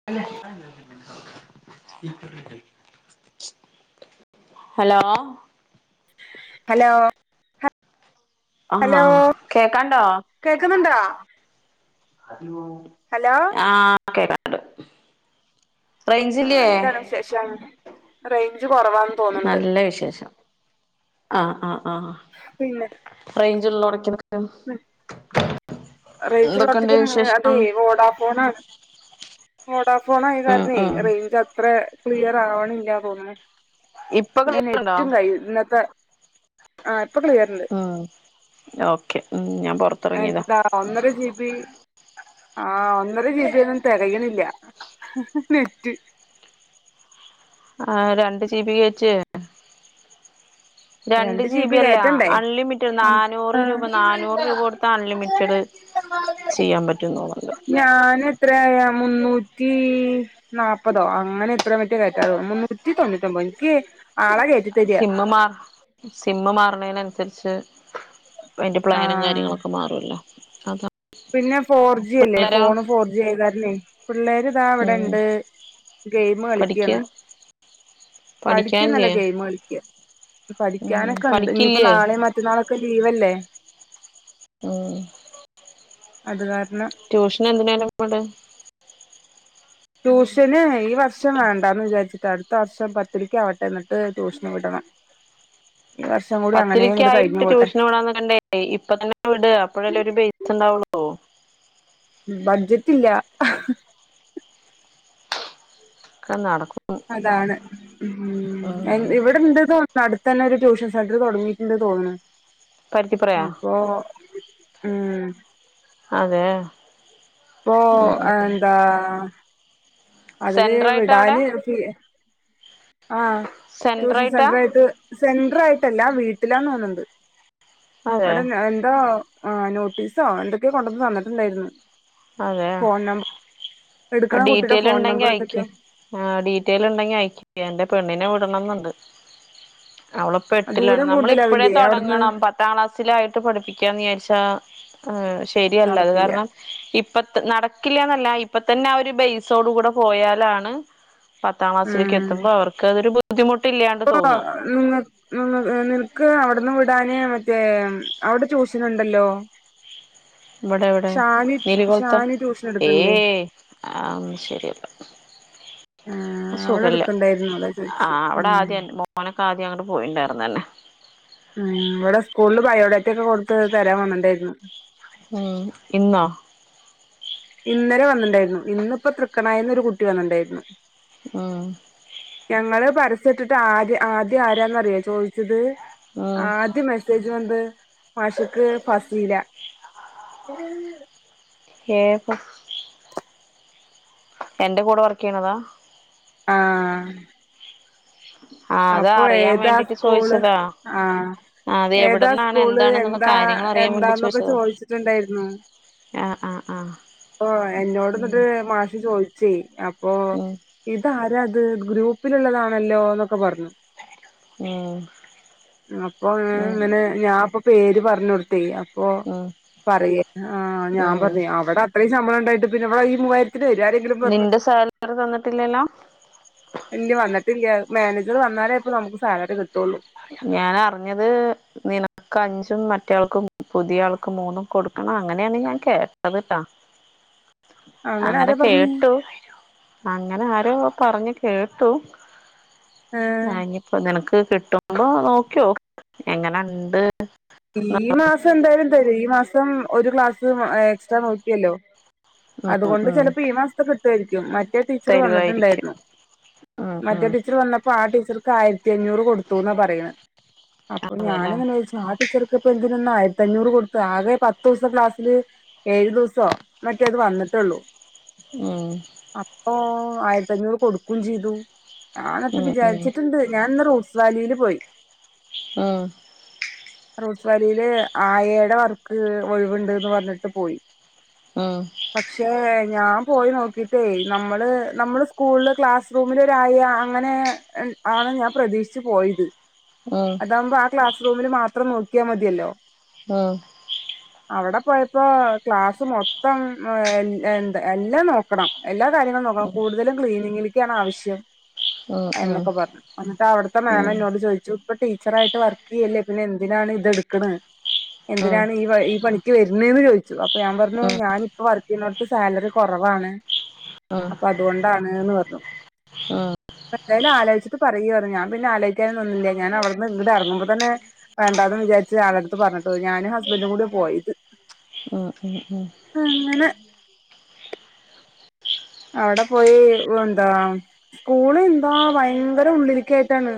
[unintelligible] Hello hello ആഹ് കേക്കാണ്ടോ? കേക്ക്ന്നുണ്ടോ? ഹലോ ഹലോ ആഹ് കേക്കാണ്ട് റെയ്ഞ്ചില്ലേ? ശേഷം റെയ്ഞ്ച് കൊറവാന്ന് നല്ല വിശേഷം ആഹ് ആഹ് ആഹ് പിന്നെ റെയ്ഞ്ചിള്ളോടക്ക് നിക്ക് റെയിഞ്ചിള്ളോടത്തെക്ക് [unintelligible] അതെ വോഡാഫോൺ ആണ് വോഡാഫോൺ ആയ ഉം കാരണേ ഉം റെയ്ഞ്ചത്രേ ക്ലിയർ ആവണില്ല തോന്നണു ഇപ്പൊ പിന്നെ ക്ലിയറുണ്ടോ നെറ്റും കയ്ഞ്ഞ് ഇന്നത്തെ ആഹ് ഇപ്പ ക്ലിയറ്ണ്ട് ആഹ് ഓക്കെ ഉം ഞാൻ പൊറ എന്താ ഒന്നര ജീബി ആഹ് ഒന്നര ജീബിയൊന്നും തെകയ്ണില്ല നെറ്റ് ആഹ് രണ്ട് ജീബി കേറ്റ് രണ്ട് ജി ബി അല്ല കേറ്റണ്ടേ അൺലിമിറ്റഡ് ആ നാനൂറ് രൂപ നാനൂറ് രൂപ ആഹ് കൊടുത്ത അൺലിമിറ്റഡ് ചെയ്യാൻ പറ്റും തോന്നുന്നുണ്ട് ഞാനെത്രയായാ മുന്നൂറ്റീ നാപ്പതോ അങ്ങനെ എത്രയോ മറ്റോ കേറ്റാ തോ മുന്നൂറ്റി തൊണ്ണൂറ്റൊമ്പൊ ഇൻക്കി ആഹ് സിമ്മ് മാർ സിമ്മ് മാറണേനൻസരിച്ച് അയിൻ്റെ ആ പ്ലാനും കാര്യങ്ങളൊക്കെ മാറുവല്ലോ അതാ പിന്നെ ഫോർജി അല്ലേ പിള്ളേരോ ഫോണ് ഫോർജിയായ കാരണേ പിള്ളേര് ഇതാ ഉം ഇവടെണ്ട് ഗെയിം പഠിക്ക കളിക്ക്യാണ് പഠിക്കൊന്നല്ല പഠിക്കാനില്ലേ ഗെയിം കളിക്ക്യാ ഉം പഠിക്ക്യാനൊക്കെ ഇണ്ട് ഇന്നിപ്പം പഠിക്കില്ലേ നാളീം മറ്റന്നാളൊക്കെ ലീവല്ലേ ഉം അത് കാര്ണം ട്യൂഷന് എന്തിനേലും വിട് ട്യൂഷന് ഈ വർഷം വേണ്ടാന്ന് വിചാരിച്ചിട്ടാ അട്‌ത്ത വർഷം പത്തിലിക്ക് ആവട്ടെ ഇന്നട്ട് ട്യൂഷന് വിടണം ഈ വർഷ് പത്തില്ക്ക് ആയിട്ട് ട്യൂഷൻ വിടാന്ന് കണ്ടേ ഇപ്പ തന്നെ വിട് അപ്പോഴെല്ലേ ഒരു ബെയ്സ് ണ്ടാവുള്ളൂ. ബഡ്ജറ്റ് ഇല്ല ക്ക നടക്കും അതാണ് ഉം ഇവിടെണ്ട്ത തടുത്തെന്നൊരു ട്യൂഷൻ സെന്ററ് തൊടങ്ങീട്ട്ണ്ട് തോന്നണ്. പരുത്തിപ്പറയാ അപ്പൊ ഉം അതെയോ പ്പൊ എന്താ അതില് സെന്റർ ആയിട്ടാ അവിടെ വിടാന് ക് ആഹ്, സെന്റർ ട്യൂഷൻ ആയിട്ടാ സെന്റ്റായിട്ട് സെന്റർ ആയിട്ടല്ല വീട്ടിലാതോന്ന്ണ്ട്. അതെ വിടെ ന്തോ ആ നോട്ടീസോ എന്തൊക്ക്യോ കൊണ്ടന്ന് തന്നിട്ടുണ്ടായിരുന്നു. അതെയൊ ഫോൺ നമ്പർ അ എടുക്കണ കുട്ടിയുടെ ഡീറ്റെയിൽ ഫോൺ ണ്ടെങ്കി നമ്പർ അയക്ക് എന്തൊക്കെയാ ആഹ്, ഡീറ്റെയിൽ ണ്ടെങ്കി അയക്കിയാ. എന്റെ പെണ്ണിനെ വിടണന്ന്ണ്ട്. അവളപ് പ്പ എട്ടിലാണ് ദൂരം നമ്മളിപ്പഴേ കൂടുതലാവില്ലേ തൊ അവിടുന്ന് ടങ്ങണം. പത് ത്താം ക്ലാസ്സിലായിട്ട് പഠിപ്പിക്കാന്ന് വിചാരിച്ചാ, അഹ് ശരിയല്ല അത് നടക്കില്ല കാരണം ഇപ്പത് നടക്കില്ലന്നല്ല ഇപ്പ തന്നെ ആ ഒരു ബെയ്സോടെ കൂടെ പോയാലാണ് പത്താം ഉം ക്ലാസിലേക്കെത്തുമ്പോ അവർക്ക് അതൊരു ബുദ്ധിമുട്ടില്ലാണ്ട് ഇപ്പൊ തോന്ന നിങ്ങ നിങ്ങക് നിൻക്ക് അവട്‌ന്ന് വിടാന് മറ്റേ അവിടെ ട്യൂഷന്ണ്ടല്ലോ ഇവടെവിടെ നീലി കുൾത്ത ഷാനി ട്യൂഷൻ ഏ എടുക്കണില്ലേ ഏഹ് ആഹ് ന്നും ശരിയല്ല ആഹ് അ സുഖല്ല. അവളെടുക്കണ്ടായിരുന്നു അതാ ആ ചോദിച്ചെ അവിടെ ആഹ് ആദ്യം എന്റെ മോനൊക്കെ ആദ്യം അങ്ങട്ട് പോയിണ്ടായിരുന്നന്നെ ഉം ഇവടെ സ്കൂളില് ബയോഡാറ്റ ഒക്കെ കൊടുത്ത് തരാൻ വന്നിണ്ടായിരുന്നു ഉം, ഇന്നോ ഇന്നലെ വന്നിണ്ടായിരുന്നു ഇന്നിപ്പ തൃക്കണായിന്ന് ഒരു കുട്ടി വന്നിണ്ടായിരുന്നു. ആഹ് ഞങ്ങള് പരസ്യ ഇട്ടിട്ട് ആദ്യ ആദ്യം ആരാന്നറിയൊ ചോയി ച്ചത്. ഉം ആദ്യം മെസ്സേജ് വന്ന്ത് മാഷ്ക്ക് ഫസീല [unintelligible] ഏ ഫസ് എന്റെ കൂടെ വർക്ക് ചെയ്യണതാ? ആഹ് ആഹ് അത് അപ്പൊ അറിയാൻ ഏതാ വേണ്ടിട്ട് സ്കൂള്? ചോദിച്ചതാ ആഹ് ആഹ് അത് ഏതാ എവിടന്നാണ് സ്കൂള് എന്താണെന്നുള്ള എന്താ കാര്യങ്ങൾ അറിയാൻ വേണ്ടി എന്താന്നൊക്കെ ചോദിച്ചതാ ചോദിച്ചിട്ടുണ്ടായിരുന്നു. ആഹ് ആഹ് ആഹ് ഓ! ഉം എന്നോട്ന്നിട്ട് മാഷ് ചോയി ചെയ്, അപ്പോ ഉം ഇതാരാത് ഗ്രൂപ്പിലുള്ളതാണല്ലോന്ന് ക്കെ പറഞ്ഞു. അപ്പൊ ഞാൻ ഉം ഇങ്ങനെ ഞാൻ പ്പൊ പേര് പറഞ്ഞ് കൊടുത്തെ. അപ്പൊ ഉം ഉം പറയേ ആ ഞാൻ ഉം പറഞ്ഞ് അവ്ടെ അത്രയും ശമ്പളംണ്ടായിട്ട് പിന്നെവിടെ ഈ മുവായിരത്തിന് വരോ ആരേ നിന്റെ സാലറി തന്നിട്ടില്ലല്ലോ? ഇല്ല വന്നിട്ടില്ല മാനേജർ വന്നാലേ ഇപ്പൊ നമ്മക്ക് സാലറി കിട്ടുള്ളൂ. ഞാൻ അറിഞ്ഞത് നിനക്ക് അഞ്ചും മറ്റയാൾക്ക് പുതിയാൾക്ക് മൂന്നും കൊടുക്കണം അങ്ങനെയാണ് ഞാൻ കേട്ടത് ട്ടാ അങ്ങനെ ആരാ പറഞ്ഞ് കേട്ടു. അങ്ങനെ ആരോ പറഞ്ഞ് കേട്ടു. ഏ ഞാൻ ഇഞ്ഞ്പ്പോ നിനക്ക് ക്ക്-കിട്ടുമ്പോ നോക്കിയോക്ക് എങ്ങനെ ഇണ്ട്ന്ന് ച്ച് എന്തായാലും തരും, ഈ മാസം ഒരു ക്ലാസ് എക്സ്ട്രാ നോക്കിയല്ലോ. ഉം അതുകൊണ്ട് ഉം ചെലപ്പോ ഈ മാസത്തെ കിട്ടുവായിരിക്കും. മറ്റേ ടീച്ചർ തരുവായിരിക്കും വന്നിട്ടുണ്ടായിരുന്നു. ഉം ഉം മറ്റേ ടീച്ചർ വന്നപ്പോ ആ ടീച്ചർക്ക് ആയിരത്തി അഞ്ഞൂറ് കൊടുത്തുന്ന പറയ്ണെ. [unintelligible] അപ്പൊ ഉം ഞാനിങ്ങനെ ചോദിച്ചു. ആ ടീച്ചർക്ക് ഇപ്പൊ എന്തിനാ ആയിരത്തി അഞ്ഞൂറ് കൊടുത്തെ ആകെ പത്ത് ദിവസം ക്ലാസ്സില് ഏഴു ദിവസോ മറ്റേ അത് വന്നിട്ടുള്ളൂ. ഉം അപ്പൊ ആയിരത്തി അഞ്ഞൂറ് കൊടുക്കും ചെയ്തു ഞാനത് ഉം ഉം ഉം ഉം ഉം ഉം ഉം ഉം ഉം ഉം വിചാരിച്ചിട്ടുണ്ട് ഞാൻ ഇന്ന് റോഡ് വാലില് പോയി ഉം റോസ് വാലിയില് ആയേടെ വർക്ക് ഒഴിവുണ്ട്ന്ന് പറഞ്ഞിട്ട് പോയി മ് പക്ഷേ ഞാൻ പോയി നോക്കീട്ടേ നമ്മള് നമ്മള് സ്കൂളില് ക്ലാസ് റൂമിലൊര് ആയ അങ്ങനെ ആണ് ഞാൻ പ്രതീക്ഷിച്ച് പോയത് അതാമ്പോ ആ ക്ലാസ്റൂമില് മാത്രം നോക്കിയാ മതിയല്ലോ ആഹ് അവിടെ പോയപ്പോ ക്ലാസ്സ് മൊത്തം എന്താ എല്ലാം നോക്കണം എല്ലാ കാര്യങ്ങളും നോക്കണം കൂടുതലും ക്ലീനിങ്ങില്ക്ക്യാണ് ആവിശ്യം എന്നൊക്കെ പറഞ്ഞു എന്നിട്ട് അവിടുത്തെ മാം ഇന്നോട് ചോദി ഇപ്പം ടീച്ചറായിട്ട് വർക്ക് ചെയ്യല്ലേ പിന്നെ എന്തിനാണ് ഇതെടുക്കണ് എന്തിനാണ് ഈ ഈ പണി ക്ക് വരുന്ന്ന്ന് ചോയിച്ചു അപ്പൊ ഞാൻ പറഞ്ഞു ഞാനിപ്പം വർക്ക് ചെയ്യുന്നോടത്ത് സാലറി കൊറവാണ് ഉം ഉം അപ്പൊ അത് അതുകൊണ്ടാണ്ന്ന് പറഞ്ഞു എന്തായാലും ആലോയിച്ചിട്ട് പറയൂന്ന് പറഞ്ഞു ഞാൻ പിന്നെ ആലോയിക്കാനൊന്നും നിന്ന്ല്ല ഞാൻ അവ്ടുന്ന് ഇങ്ങട് എറങ്ങുമ്പൊ തന്നെ വേണ്ടാന്ന് വിചാരിച്ച് ആളെടുത്ത് പറഞ്ഞിട്ട് പോയി ഞാനും ഹസ്ബൻഡും കൂടിയാ പോയത് ഉം ഉം ഉം അങ്ങനെ അവിടെ പോയി എന്താ സ്കൂള് എന്താ ഭയങ്കര ഉള്ളിലിക്കായിട്ടാണ്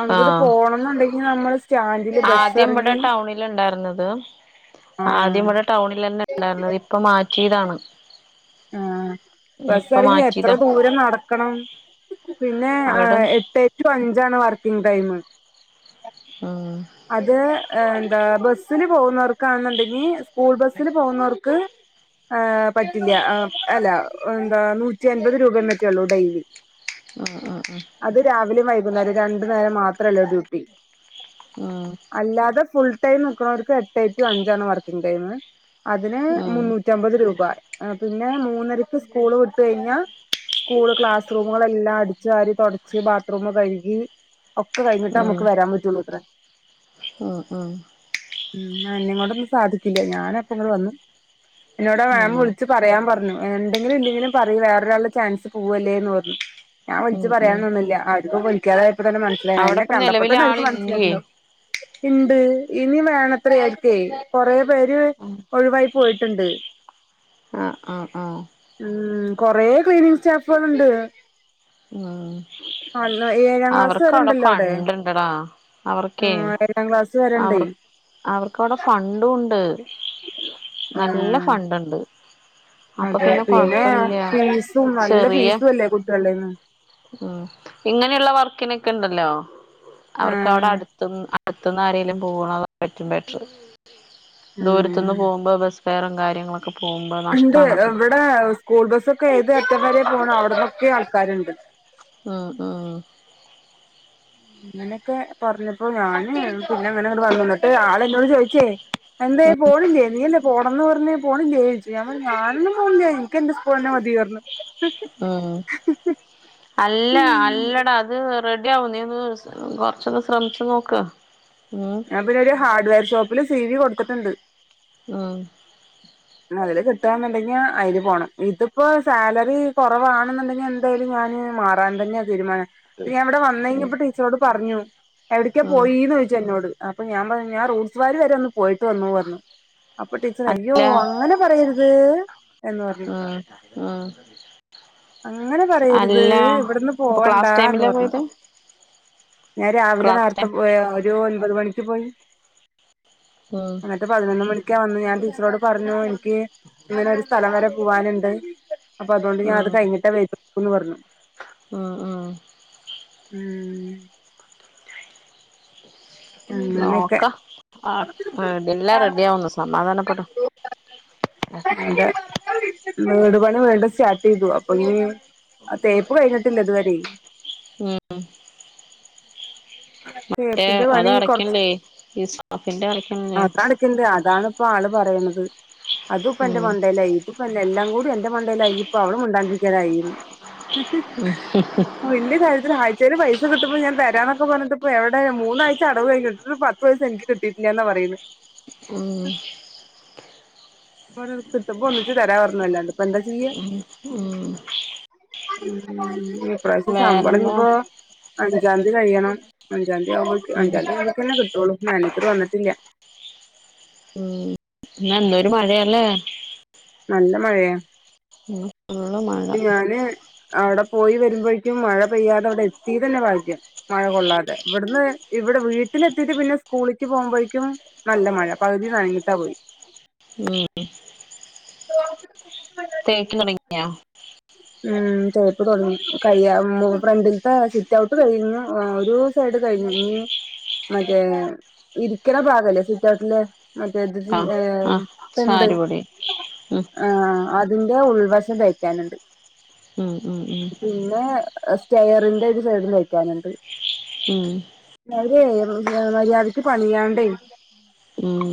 അങ്ങട്ട് ആഹ് പോണം എന്നുണ്ടെങ്കി നമ്മൾ ആദ്യം ഇവിടെ ടൗണിൽ ഉണ്ടായിരുന്നത് ആദ്യം ആഹ് ഇവിടെ ടൗണിൽ തന്നെ ഉണ്ടായിരുന്നത് ഇപ്പൊ മാറ്റീതാണ് ആഹ ബസ്സ് എറങ്ങി എത്ര മാറ്റിയതാ ദൂരം നടക്കണം പിന്നെ അവിടെ എട്ട് ടു അഞ്ചാണ് വർക്കിംഗ് ടൈം ആഹ് അത് എന്താ ബസില് പോകുന്നോർക്കാന്നുണ്ടെങ്കി സ്കൂൾ ബസില് പോകുന്നോർക്ക് ഏഹ് പറ്റില്ല അല്ല എന്താ നൂറ്റി അൻപത് രൂപയെ മറ്റേള്ളൂ ഡെയിലി ആഹ് ആഹ് ആഹ് അത് രാവിലും വൈകുന്നേരം രണ്ടു നേരം മാത്ര അല്ല ഡ്യൂട്ടി ഉം അല്ലാതെ ഫുൾ ടൈം നിക്ക്ണോർക്ക് എട്ട് ടു അഞ്ചാണ് വർക്കിംഗ് ടൈം അതിന് മുന്നൂറ്റി റ്റമ്പത് രൂപ പിന്നെ മൂന്നരക്ക് സ്കൂള് വിട്ട് കഴിഞ്ഞാ സ്കൂള് ക്ലാസ് റൂമുകള് എല്ലാം അടിച്ചുവാരി തൊടച്ച് ബാത്റൂം കഴുകി ഒക്കെ കഴിഞ്ഞിട്ടേ നമ്മക്ക് വരാൻ പറ്റുള്ളൂ ത്രേ ആഹ് ആഹ് ഉം എന്നേം കൊണ്ടൊന്നും സാധിക്കില്ല ഞാനപ്പ ഇങ്ങട് വന്നു എന്നോട് ആ മാം ഉം വിളിച്ച് പറയാൻ പറഞ്ഞു ഇണ്ടെങ്കിലും ഇല്ലെങ്കിലും പറയ് വേറൊരാള്ടെ ചാൻസ് പോവല്ലേന്ന് പറഞ്ഞു ഞാൻ ഉം വിളിച്ച് ഉം ഉം പറയാനൊന്നും നിന്നില്ല ആർക്കും വിളിക്കാതായപ്പോ തന്നെ മനസിലായി ഇന്നെ അവിടെപ്പം നിലവിൽ കണ്ടപ്പൊതന്നെ അവര്ക്ക് ആളില്ലേ മനസ്സിലായിട്ട്ണ്ടാവും ഇണ്ട് ഇനി വേണത്രേ ഓര്ക്കെ കൊറെ പേര് ഒഴിവായി പോയിട്ടുണ്ട് ആഹ ആഹ ആഹ ഉം കൊറേ ക്ലീനിങ് സ്റ്റാഫാള് ഇണ്ട് ആഹ ആഹ് ഏഴാം ക്ലാസ് വരെണ്ടല്ലോ അവിടെ എടാ അവർക്കേ ആഹ് ഏഴാം ക്ലാസ് വരെണ്ടേ അവർ അവർക്കവിടെ ഫണ്ടും ഇണ്ട് നല്ല ആഹ് ഫണ്ട് ഉണ്ട് അപ്പൊ അതെ പിന്നെ കൊഴപ്പില്ല ഫീസും നല്ല ചെറിയ ഫീസും അല്ലേ കുട്ടികളുടെന്ന് ഉം ഇങ്ങനെയുള്ള വർക്കിനൊക്കെ ണ്ടല്ലോ അവർക്കവിടെ ആഹ് അടു അടുത്തന്നാരങ്കലും പോകണ പറ്റും ബെറ്റർന്ത ഉം അത്തുന്ന് പോകുമ്പോ ബസ് ഫെയറ കാര്ങ്ങളൊക്കെ പോകുമോ നഷ്ട ത് എവടെ സ്കൂൾ ബസ്സ ഒക്കെ ഏത് അറ്റം വരെ പോണോ അവിടന്നൊക്കെ ആൾക്കാരുണ്ട് ആഹ് ആഹ് അങ്ങനെയൊക്കെ പറഞ്ഞപ്പോ ഞാന് പിന്നെ അങ്ങനെ ഇങ്ങട് വന്നന്നിട്ട് ആള എന്നോട് ചോയിച്ചേ എന്തേ പോണില്ലേ നീല്ല പോണംന്ന് പറഞ്ഞഞ് പോണില്ലേച് ഞ പഞ്ഞ ഞാനൊന്നും പോണില്ല എനക്ക് എൻന്റെ സ്കൂൾ തെ മതിയറഞ് ആഹ് അല്ല അല്ലട അത് റെഡി ആവും നീന്ന് കൊറച്ചൊന്ന് ശ്രമിച്ചു നോക്ക ഉമ് ഞാൻ പിന്നെ ഒരു ഹാർട് വെയർ ഷോപ്പില് സി വി കൊടുത്തിട്ടുണ്ട് ആഹ് അതില് കിട്ടുകന്നുണ്ടെങ്കി അതില് പോണം ഇതിപ്പോ സാലറി കുറവാണെന്നുണ്ടെങ്കിൽ എ എന്തായാലും ഞാന് മാറാൻ തന്നെയാ തീരുമാനം ഞാൻ ഇവിടെ വന്നെങ്ക ഉം ഇപ്പോ ടീച്ചറോട് പറഞ്ഞു എവിടക്കാ ഉം പോയിന്ന് ചോദിച്ചു എന്നോട് അപ്പൊ ഞാൻ പറ ഞാൻ റൂട്സ് വാരി വരെ ഒന്ന് പോയിട്ട് വന്നു പറഞ്ഞു അപ്പൊ ടീച്ചർ അയ്യോ അല്ല അനെ അങ്ങനെ പറയരുത് എന്ന് പറഞ്ഞു ആഹ് അങ്ങനെ പറയരുത് ഇവടന്ന് അപ്പൊ ക്ലാസ് പോവണ്ടാ എന്ന് ടൈമിലാ പറഞ്ഞു പോയത് ഞാൻ രാവിലെ ക്ലാസ് നേരത്തെ ടൈം പോയ ഒരു ഒൻപത് മണിക്ക് പോയി ആഹ് ന്നട്ട് പതിനൊന്ന് മണിക്ക വന്നേ ഞാൻ ടീച്ചറോട് പറഞ്ഞു എനിക്ക് ഇങ്ങനെ ഒരു സ്ഥലം വരെ പോവാൻ ഇണ്ട്. അപ്പൊ അതുകൊണ്ട് ഞാന അത് കഴിഞ്ഞിട്ടേ വരുന്നു പറഞ്ഞു ഉമ് ഉമ് ഉം അങ്ങനെയൊക്കെ നോക്കാം ആഹ് ഇതല്ലാം റെഡിയ ആവൊന്ന് സമാധാനപ്പെട് എ അതെ വീടുപണി വിണ്ടും സ്റ്റാർട്ട് ചെയ്തു അപ്പ ഇനി തേപ്പ് കഴിഞ്ഞിട്ടില്ല ഇതുവരെ ഉം മറ്റേ തേപ്പിന്റെ അത് പണി കൊറച്ച് അടക്കണ്ടേ ഈ സാഫിന്റെ അടക്കണില്ലേ ഇണ്ട് അതാണിപ്പ ആള് പറയണത് അതും ഇപ്പ എന്റെ ഉം മണ്ടേല് ആയിന്ന് ഇപ്പന്നെ എല്ലാം കൂടി എന്റെ മണ്ടയിലായി ഇപ്പ അവള് മിണ്ടാണ്ട് ഇരിക്കൽ ആയിന്ന് ഉം ഹ് ഹ് ഹ് വല്യ കാര്യത്തില് ആഴ്ച്ചയില് പൈസ കിട്ടുമ്പോ ഞാൻ തരാന്ന ഇക്ക പറഞ്ഞിട്ടപ്പോ എവിടെ മൂന്നാഴ്ച അടവ് കഴിഞ്ഞ് ഇതുവരെ പത്ത് പയസ്സ എനിക്ക് കിട്ടില്ല എന്നാ പറയുന്നെ ഉം [inaudible] കിട്ടപ്പോ ഒന്നിച്ച് തരാ പറഞ്ഞ അല്ലാണ്ട് ഇപ്പ എന്താ ചെയ്യ ഉം ഉമ് ഈ പ്രാവശ്യത്തെ ശമ്പളം വേറെന്താ ഇിനിപ്പൊ അഞ്ചാംതീ കഴിയണം അഞ്ചാംതീ അവർക്ക് ഉം അഞ്ചാംതീ അവർക്ക് തന്നെ കിട്ടു ഒള്ളൂ മാനേജർ വന്നട്ടില്ല ഉം ഇന്ന് ഏതൊരു മഴ അല്ലേ നല്ല മഴയ ഇന്ന് ഫുള്ള് മഴ അവിടെ പോയി വരുമ്പോഴേക്കും മഴ പെയ്യാതെ അവിടെ എത്തി തന്നെ ഭാഗ്യം മഴ കൊള്ളാതെ ഇവിടുന്ന് ഇവിടെ വീട്ടിലെത്തിട്ട് പിന്നെ സ്കൂളിക്ക് പോകുമ്പോഴേക്കും നല്ല മഴ പകുതി നനഞ്ഞിട്ടാ പോയി ഉം ആ തേക്ക് തുടങ്ങിയാ ഉം തെപ്പ് തൊടങ്ങി [unintelligible] ഉം ഫ്രണ്ടിലത്തെ സിറ്റ് ഔട്ട് കഴിഞ്ഞ് [unintelligible] ഒരു [unintelligible] കഴഞ്ഞു [unintelligible] മറ്റേ ഇരിക്കണ ഭാഗല്ലേ സുറ്റൊട്ടില് മറ്റേ ആഹ് ആഹ് [unintelligible] തിണ്ട് ചാരുപൊടി ഉം ആ അതിന്റെ ഉൾവശം തേക്കാനുണ്ട്. ഉം ഉം ഉം പിന്നെ സ്റ്റെയറിന്റെ ഒരു സൈഡും തേക്കാൻ ണ്ട്. ഉം [unintelligible] മര്യാദക്ക് പണിയാണ്ടേ ഉം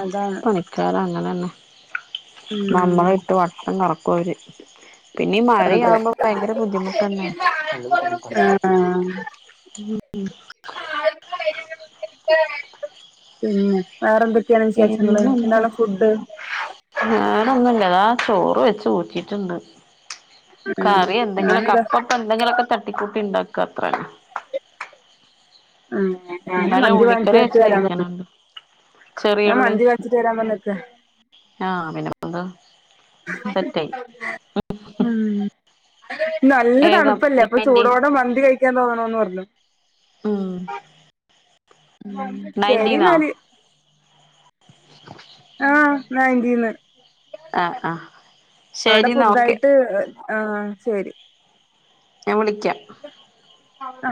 അതാണ് പണിക്കാർ അങ്ങനെ ന്നെ നമ്മളെ ഉം ഇട്ട് വട്ടം കറക്കും അവര്. പിന്നെ ഈ അതെ മഴയാവുമ്പോ ഭയങ്കര ബുദ്ധിമുട്ട് അല്ലേ ആ [unintelligible] ഉം വേറെന്തൊക്കെണ് വിശേഷങ്ങള് എന്താണ് ഫുഡ്‌. വേറെ ഒന്നുല്ല ദാ ചോർ വെച്ച ഊറ്റിട്ട് ണ്ട് ഉം കറി എന്തെങ്കിലും ഒക്കെ ഞാനിതാ അപ്പപ്പ എന്തെങ്കിലും ഒക്കെ തട്ടിക്കൂട്ടി ണ്ടാക്കാ അത്ര ന്നെ ഇന്നലെ [unintelligible] ഉള്ളിക്കറി വെച്ചത് ഇരിക്കണുണ്ട് [inaudible] ഞാൻ ചെറിയുള്ളി മന്തി വാങ്ങിച്ചിട്ട് വരാന്ന് [unintelligible] ആ പിന്നെപ്പന്താ [unintelligible] ഉം നല്ല ഏതാ തണുപ്പല്ലേ അപ്പൊ നയന്റി ചൂടോടെ മന്തി കഴിക്കാൻ തോന്നണു ന്ന് പറഞ്ഞു ആ ശരി ന്നാല് ആ [unintelligible] ആഹ് ആഹ് അവിടെ ശരിന്നാ ഓക്കെ പുതുതായിട്ട് ആ ശരി ഞാൻ വിളിക്കാ ആ